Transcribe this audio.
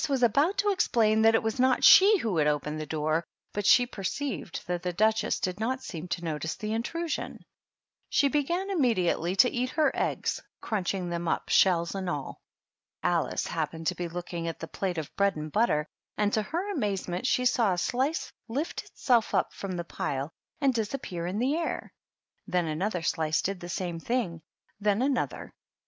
was about to explain that it was not she who had opened the door, but she perceived that the Duchess did not seem to notice the intrusion. She began immediately to eat her eggs, crunching them up, shells and all. Alice happened to be looking at the plate of bread and butter, and to her amazement she saw a slice lift itself up from the pile and disappear in the air; then another slice did the same thing, and then another.